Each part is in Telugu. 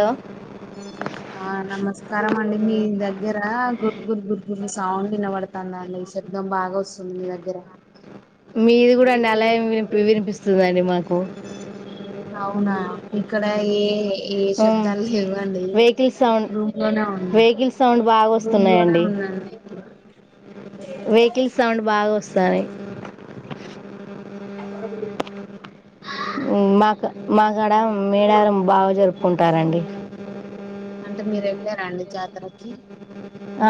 హలో ఆ నమస్కారం అండి మీ దగ్గర గురుగురు గురుగుర్ సౌండ్ వినబడుతుాందండి శబ్దం బాగా వస్తుంది మీ దగ్గర మీది కూడా అండి అలా ఏం విని వినిపిస్తుందిండి మాకు అవునా ఇక్కడ ఏ. ఏ హ్మ్ శబ్దాలు లేవండి వెహికల్ సౌండ్ రూమ్ లోనే ఉన్నా వెహికల్ సౌండ్ బాగా రూమ్ లోనే వస్తున్నాయండి, ఉన్నాను నేను వెహికల్ సౌండ్ బాగా వస్తు సారి మాక్ మ అక్కడ మేడారం బాగా జరుపుకుంటారండి అంటే మీరు వెళ్ళారండి జాతరకి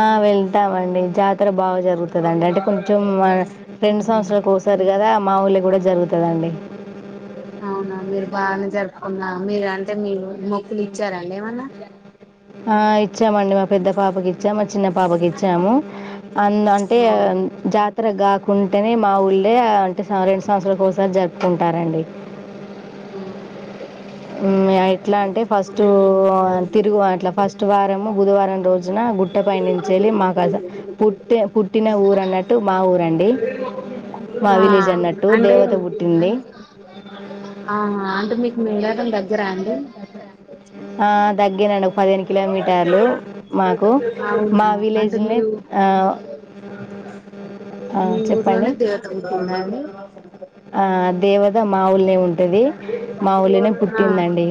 ఆ వెళ్తామ్ అండి జా అక్కడ బాగా జరుగుతుందిండి అంటే కొంచెం రెండ్ ఉమ్. సంవత్సరాలకి ఒకసారి కదా మాఊళ్ళె కూడా జరుగుతుందండి అవునా మీరు బాగానే జరుపుకున్నా మీరు అంటే మీరు మొక్కులు ఇచ్చారండి ఏమన్నా ఆ ఇచ్చామండి మా పెద్ద పాపకి ఇచ్చాము, మా చిన్న పాపకి ఇచ్చాము, అందు అంటే అవును జా తారక్ కాకుంటేనే మా ఊళ్ళే అంటే సంవ రెండు సంవత్సరాల కొక్కసారి జరుపుకుంటారండి. మ్ ఉమ్, ఎట్లా అంటే ఫస్ట్ తిరుగు అంట్ల ఫస్ట్ వారము బుధవారం రోజున గుట్ట పయనించెళ్ళి మాకాడ పుట్టే పుట్టిన ఊరు అన్నట్టు మా ఊరండి. మా ఆ విలేజ్ అన్నట్టు అంటే దేవత పుట్టింది ఆహా అంటే మీకు మేడా [inaudible] [unintelligible] తగ్గినండి ఒక పదిహేను కిలోమీటర్లు మాకు మా అవునా విలేజ్ అంటే మీ నీ ఊ అ అ మీ చెప్పండి ఊర్లోనే దేవత పుట్టిందా అండి ఆ దేవ మాఊలు ఉం ది మాఊళనే పుట్ ఆ పట్టిందండి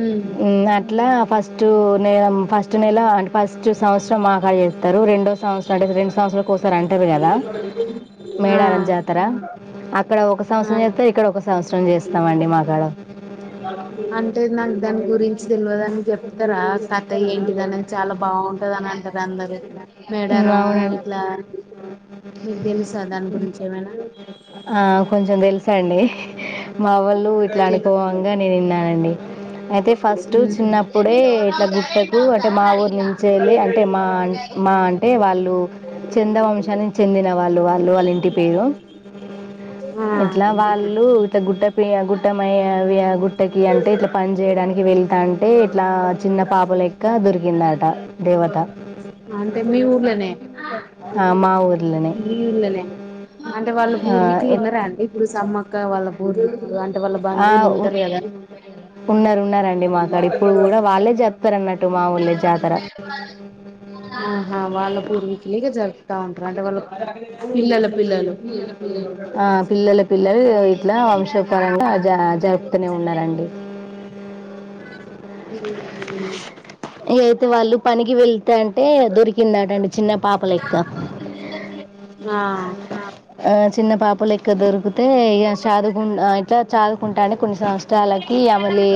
ఉమ్ హ్మ్ అట్లా ఫస్ట్ నే ఫస్ట్ నెల అం ఫస్ట్ [unintelligible] సంవత్సం మా కాడె చేస్తారు రెండో సంవత్సరం స్టార్ట్ అయింది రెండు సంవత్సరాల్ ఒకోసారి అంటారు కదా ఆ మేడారంజాతర అక ఇక్కడ ఒక సంవత్సరం ఆ చేస్తే ఇక్కడ ఒక సంవత్సరం చేస్తామ్ అండి మా కాడ అంటే నాకు దాని గురించి తెల్వదు నువ్ చెప్తారా కథ ఏంటిద అనేది చాలా బాగుంటది అని అంటారు [unintelligible] అందరి మేడారం అవునండి ఇట్లా మీకు తెలుసా దాని గురించి ఏమైనా సండి మా వాళ్ళ ఇట్లా అనుకోవంగా నేను విన్నానండి అయితే ఫస్ట్ ఉమ్ చిన్నప్పుడే ఇట్లా గుట్టకు అంటే మా ఊరు నుంచి వెళ్ళి అంటే మా మా అంటే వాళ్ళు చెంద వంశానికి చెందిన వాళ్ళు వాళ్ళు వాళ్లు ఇంటి పేరు ఆ ఇట్లా వాళ్ళు ఇట్లా గుట్ట పె గుట్టమయి గుట్టకి అంటే ఇట్లా పని చేయడానికి వెళ్తాంటే ఇట్లా చిన్న పాప లెక్క దొరుక్ గిందట దేవత అంటే మీ ఊళ్ళనే ఆ! మా ఊర్లోనే. మీ ఊర్ళనే అంటే వాళ్ళు ఆ! పూర్వీకులు ఎత్ ఉన్నారా అండి ఇప్పుడు సమ్మక్క వాళ్ళ పూర్వీకులు అంటే వాళ్ళ ఆ! బంధువులు ఉ ఉంటారు కదా ఉన్నారు ఉన్నారండి ఇటు మా ఊర్లే జాతర. ఆహా వాళ్ళపూర్వికులు ఇంకా జర్ ఉంటారు అంటే వాళ్ళు పిల్లలు పిల్లలు ఆ, పిల్లల పిల్లలు ఇట్లా వంశపరంగా జ- జరుపుతూనే ఉన్నారండి హమ్ హమ్ [inaudible] అయితే వాళ్ళు పనికి వెళ్త అంట అంటే దొరికిందటండి చిన్న పాప లెక్క ఆ ఆ చిన్న పాప లెక్క దొరికితే ఇగ చదువుకు ఇట్లా చదువుకుంటాడు కొన్ని సంవత్సరాలకి అమలు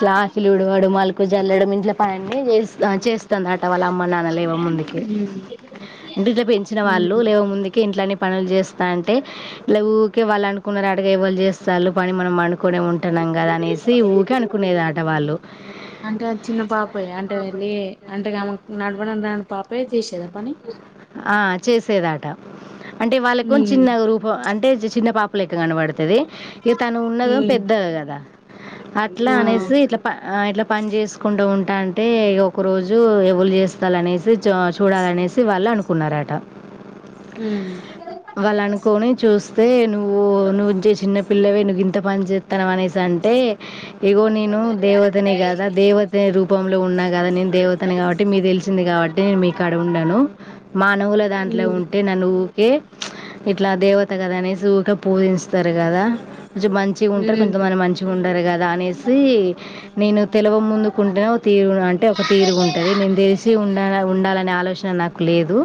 క్లాస్లు విడువడు మల్ జల్లడం ఇంట్ల పనిన్ని చే చేస్తుందిట వాళ్ళ అమ్మ నాన్న. లేవ ముందుకి అంటే ఇట్ల పెంచిన వాళ్లు ఉమ్ వేవ ముందుకి ఇంట్లనే పనులు చేస్తా అంటే ఇలా ఊకే వాళ్ళు అనుకున్నారు అటగా వాళ్ళు చేస్తళ్ళు పని మనం పడు అనుకునేదాట వాళ్ళు అంటే చిన్న పాపయ అంటే వెళ్ళి అంటే ఆమె నడపడం రాని పాపి చే‌సేది. ఆ చేసేదాట అంటే వాళ్ళకు ఉమ్ చిన్న రూపం అంటే చిన్న పాపు లెక్క కనబడుతుంది ఇ తను ఉన్నద ఉమ్ పెద్దది కదా అట్లా ఆ అనేసి ఇట్లా ఇట్లా పని చేసుకుంటూ ఉంటే అంటే ఒక రోజు ఎవలు చేస్తాల అనేసి. జ చూడలనేసి కళ్ళ అనుకున్నారట వాళ్ళ అనుకోని చూస్త రే నువ్వు ఓ నువ్వుజ చిన్నపిల్లవే నువ్వు ఇంత పని చేస్తాను అనేసి అంటే ఏగో నేను దేవతనే కదా దేవతని రూపంలో ఉన్నా కదా నేను దేవతని కాబట్టి మీ తెలిసింది కాబట్టి నేను మీ కాడ ఉండను మానవుల దాంట్లో ఉంటే నన్నూ ఊకే ఇట్లా దేవత కద అనేసి వర్క్ పూజిస్తారు కదా జబ్ మంచిగ ఉంటారు, కొంతమంది మంచిగా ఉండరు కదా అనేసి నేను తెలువ ముందుకుంటే తీరు అంటే ఒక తీరుగుంటది నేను తెలిసి ఉన్ ఉండాలనే ఆలోచన నాకు లేదు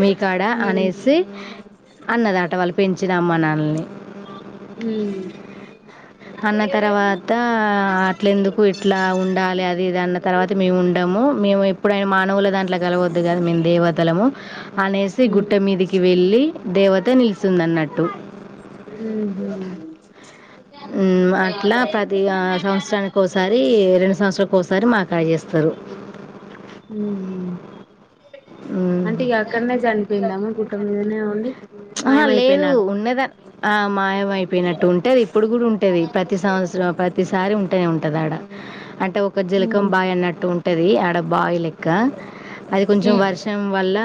మీకాడ అనేసి అన్నది ఆట వాళ్ళు పెంచినా అమ్మన్నా అన్ని హుమ్ అన్న క్ తర్వాత ఇట్ల ఎందుకు ఇట్లా ఉండాలి అది ఇది అన్న తర్వాత మేము ఉండము, మేము ఎప్పుడైనా మానవులు దాంట్లో కలవద్దు కదా మేము దేవ తలము అనేసి గుట్ట మీదకి వెళ్ళి దేవత నిలుసుంది అన్నట్ హూ హమ్ ఉమ్ అట్లా ప్రతి ఆ సంవత్సరానికి ఒకసారి రెండు సంవత్సరనికి ఓ సారి వర్మ కాయ్ చేస్తరు అంటే ఇక అక్కడనే జని ఆహా లేదు మాయమైపోయినాడు ఉన్నదా ఆ మాయమై అయిపోయినట్టు ఉంటేది ఇప్పుడు కూడా ఉంటేది ప్రతి సంవత్సరం ప్రతిసారి ఉంటేనే ఉంటద క్కడ అంటే ఒక జలకం బాయ్ అన్నట్టు టది ఆడ బాయి లెక్క అది కొంచెం వర్షం వల్ల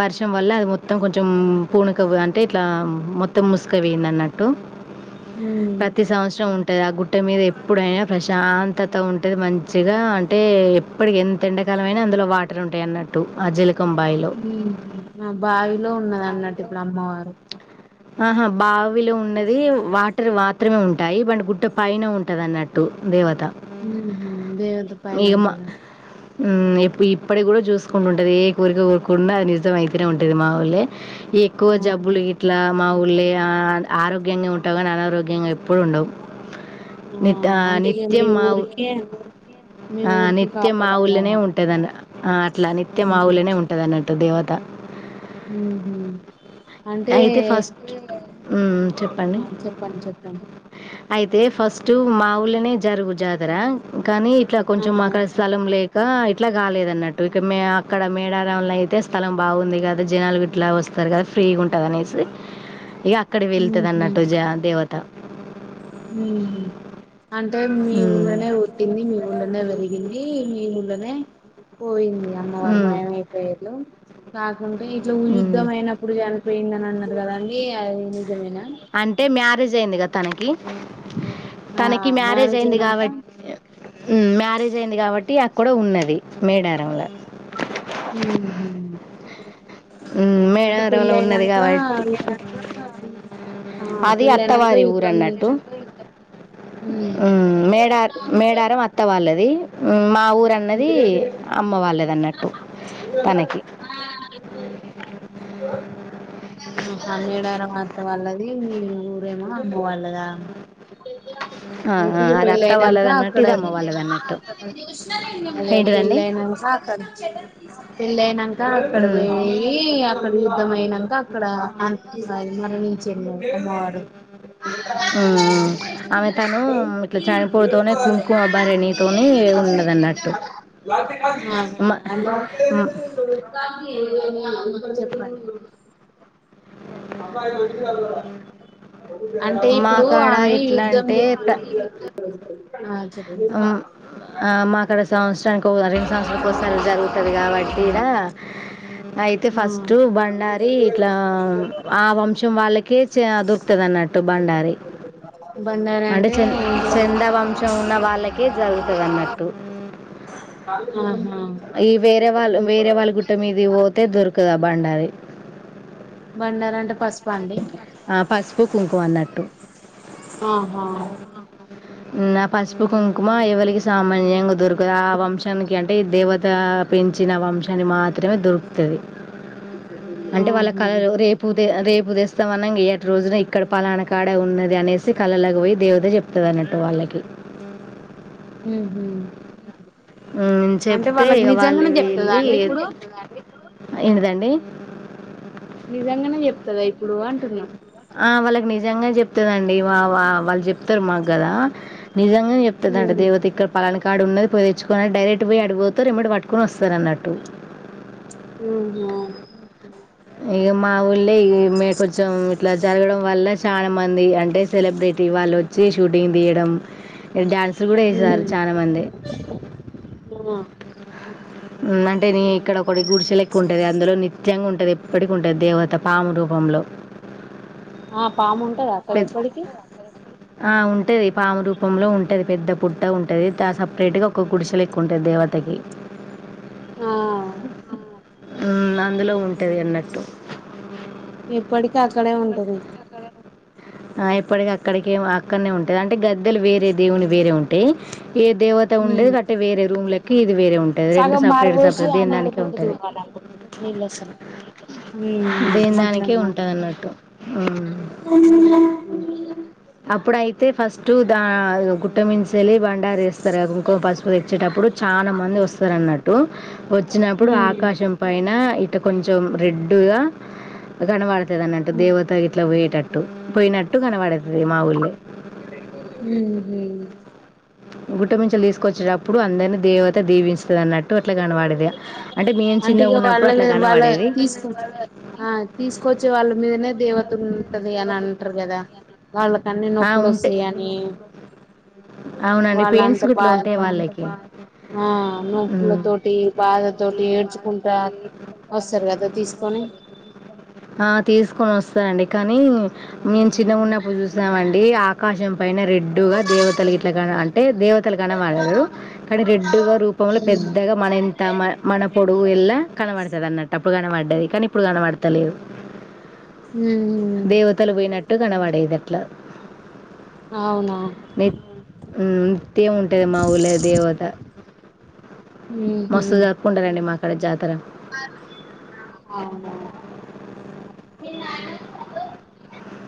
వర్ష్ షం వల్ల అది మొత్తం కొంచెం పూనక అంటే ఇట్లా మొత్తం ముసుకవొంది అన్నట్టు ప్రతి సంవత్సరం ఉంట ట ఆ గుట్ట మీద ఎప్పుడైనా ప్రశాంతత ఉంటది మన్ పచ్చిగా అంటే ఎ ఇప్పటికి ఎంత ఎండకాలం అయినా అందులో వాటర్ ఉంటయి అన్నట్టు ఆ జల ఉహు మా బావిలో ఉన్నది అన్నట్టు ఇప్పుడు అమ్మవారు అ ఆహా బావ్ వీళ్ళు ఉన్నది వాటర్ వార్ త్రమే ఉంటాయి బండు గుట్ట పైన ఉన్ ఉంటదన్నట్టు దేవత దేవత పైన ఇక మా ఉంటదా ఇప్పటి కూడా చూసుకుంటుంటది ఏ కోరిక కోరికున్నా అది నిజం అయితేనే ఉంటుంది మా వాళ్ళే ఎక్కువ ఆ జబ్బులు ఇట్ల్ ఊళ్ళే ఆరోగ్యంగా ఉంటావు కానీ అనారోగ్యంగా ఎప్పుడు ఉండవు నిత ఆ అంటే ఇక మీ నిత్యం మావు ఊరికే మీ ఆ ఊరికి నిత్యం కాపాడాలి మావుళ్ళనే ఆమె ఉంటదన్న ఆ అట్లా నిత్యం మావుళ్ళనే ఉంటదన్నట్టు దేవత ఉ హు అంటే అయితే ఫస్ట్ హ్మ్. చెప్పండి. ఆ చెప్పండి చెప్పండి అయితే ఫస్ట్ మా ఊళ్లోనే జరుగు జాతర కానీ ఇట్లా ఆ కొంచెం అక్కడ స్థలం లే క ఇట్లా కాలేదు అన్నట్టు ఇక మే అక్కడ మేడారంలో అయితే స్థలం బాగుంది కదా జనాలు గిట్లా వస్తారు కదా ఫ్రీగుం అదానేసి అక్కడ వెళ్తది అన్నట్టు జ దేవత హు హమ్ అంటే మీ హ్మ్. ఊళ్ళనే వుట్టింది మీ ఊళ్ళనే వెరిగింది మీ ఊళ్ళనే పోయింది అమ్మవారు హ్మ్. మాయమైపోయిర్లు బాగు ఇట్లా హ్మ్. యుద్ధం అయినప్పుడు చనిపోయిందని అన్నారు కదండి అది నిజమైనా జేయండి ఇగ తనకి ఆ తనకి మ్యారేజ్ అయింది అయినాక కాబట్టి ఉం మ్యారేజ్ అయింది కాబట్టి కూడా ఉన్నది మేడారంలా ఉహు అంటే పెళ్ళి మేడారంంలో ఉన్నది అయినాక కాబట్టి ఆ అది పెళ్ళి అయినాక అత్తవారి ఊర యుద్ధం అన్నట్టు చేసి మేడ మేడారం అత్త వాళ్ళది ఉం మా ఊరున్నది అమ్మ వాళ్ళేద అన్నట్టు తనకి హనేేడర మా అత్త వాల్లది మీ ఊరేమ అమ్మవళ్ళదా ఆ అది అత్త వాళ్ళది అన్నట్టు ఇది అమ్మ వాళ్ళది అన్నట్టు ఏంటిదండి పెళ్ళయినాక అక్కడ పెళ్ళ అయినాక అక్కడ మ్మ్. పోయి అక్కడ యుద్ధం అయినాక అక్కడ అ మరణించ వెళ్ళ అమ్మవడు మ్మ్, మ్మ్. ఆమె తను ఇట్లా చనిపోతూనే కుంకుమ భరణితోనే ఉన్నద మా మ్మ్, [unintelligible] చెప్పండి అమ్మా అంటే మా ఇప్పుడు కాడ ఆమె ఎట్లా యుద్ధం అంటే చే ఆ చె హామ్ ఆ మాకాడా సంవత్సరానికి ఓ ర సంస్ కోస [unintelligible] జరుగుతదికాబట్టి ఇడా అయితే ఆ ఫస్ట్ బండారి ఇట్లా ఆ వంశం వాళ్ళకే చేయదు పత్తదన్నట్టు బండారి అంటే బండారంటే చె చంద ఏంటిదంటే వంశం ఉన్న వాళ్ళకి జరుగు వన్నట్టు ఆ హా ఈ వేరే వాళ్ళ వేరే వాళ్ళ గుట్ట మీదకి పోతే దొరకదా బండ అది [inaudible] బండార్ అంటే పసుపా అండి ఆ పసుపు కుంకుమ అన్నట్టు ఆహా నా పసుపు కుంకుమ ఎవరికి సామాన్యంగా దొరుకు ఒక ఆ వంశానికి అే దేవత పెంచిన వంశాన్ని మాత్రమే దొరుకుతది అంటే వాళ్ళ ఆహా ఉహు కలరు రేపుదే రేపు ఉదే స మనంగా ఏటి రోజున ఇక్కడ పలానా కాడ ఉన్నది అనేసి కలలకు వోయి దేవ అదే చెప్తుదన్నట్టు వాళ్ళకి హుమ్ హ్మ్ చెప్తే ఇగ వాళ్ళు నిజంగానే చెప్తదా వెళ్ళి అండి ఇప్పుడు అయి దండి నిజంగనే చెప్తంద ఇప్పు ఆ వాల నిజంగా చెప్ప వస్తరండి వా వా వాళ్ళు చెప్తారు మాకు గదా నిజంగా చెప్తుందంట దేవత ఇక్కడ పలనాకాడ కార్డు ఉన్నది పోయి తెచ్చుకోని డైరెక్ట్ పోయి అడికిపోతరు ఎంబటె పట్టుకొని వస్తారు అన్నట్టు హుమ్మ్ హుమ్మ్ ఇగ మా ఊళ్ళే ఇ మే కొంచెం ఇట్లా జరగడం వల్ల చాల మంది అంటే సెలబ్రిటి వాళ్ళు వచ్చి షూటింగ్ తీయడం డాన్స్ హుమ్మ్ హుమ్మ్ అంటే నీ ఇక్కడ ఒకటి గుడుచేలేక ఉంటుంది అందులో నిత్యంగా ఉంటుంది ఎప్పటికి ఉంటుంది దేవత పాము రూపంలో ఆ పామున్ కదా అక్కడ పెద్ ఎప్పుడికి ఆ ఉంటది పాము రూపంలో ఉంటది పెద్ద పుట్ట ఉంటుంది సపరేట్గా ఒక్క గుడిసెలెక్క ఉంటది దేవతకి ఆ హ్మ్ అందులో ఉంటది అన్నట్టు ఎప్పటి ఇంకా అక్కడే ఉంటది ఆ ఇప్పటిక అక్కడికి అక్కడనే ఉంటాది అంటే గద్దెలు వేరే దేవుని వేరే ఉంటయి ఏ దేవత ఉమ్ ఉండేది అట్టటి వేరే రూమ్ లెకి ఇది వేరే ఉంటుంది రెండు సగం సపరేట్ పారబోసి సపరేట్ ఆ దేని దానికే నీళ్ళతోటి ఉంటుంది తుడవాలి అనుకుంటున్నా నీళ్ళు వస్తలేవ్ ఉ దేని దానికే అట్లనా ఉంటది అన్నట్టు అప్పుడయితే ఫస్ట్ దా గుట్ట మించేల్లి బండ ప్యారిస్ రు కుంకుమ పసుపు తెచ్చేటప్పుడు చాలా మంది వస్తారు అన్నట్టు వచ్చినప్పుడు ఆకాశం పైన ఇటు కొంచెం రెడ్డుగా గనపడతది అన్నట్టు ఉ దేవత గిట్లా పోయేటట్టు పోయినట్టు కనవడుతది మా ఊర్లే హుమ్మ్ గుట్టమీచెల్లి తీసుకొచ్చేటప్పుడు అందరినీ దేవత దీవిస్తుదన్నట్టు అంటే ఇగా ఉన్నప్పుడు అట్లా వాళ్ళల వాళ్ళ కనబడేది తీసుకు తీసుకొచ్చే వాళ్ళ మీదనే దేవత ఉంటది అని అంటరు కదా వాళ్ళకన్ని ఆ, నొప్పులు ఉంటే. వస్తాయి అని అవునండి పెయింట్స్ వాళ్ళంతా ఇట్లా ఉంటాయి బాధపడరు ఆ హ్మ్ తోటి బాధ తోటి ఏడ్చుకుంటా వస్తారు కదా తీసుకొని ఆ తీసుకొని వస్తనండి కానీ మేము చిన్నగా ఉన్నప్పుడు చూసాం అండి ఆకాశం పైన రెడ్డుగా దేవతల ఇట్లాగా అంటే దేవతలు కన వాడరు కానీ రెడ్డుగా రూపంలో పెద్దగా మన ఇంత మ మన పొడువు ఎల్లా కనబడుతది అన్నట్టు అప్పుడు కనబడది కానీ ఇప్పుడు కనబడతలేదు హ్మ హ్మ్ ఎట్టు కనవడేది అట్లా అవునా ఇంతేముంటది మా ఊలే దేవత మస్తు జరుపుకుంటారండి మా అక్కడ జాతర ఆ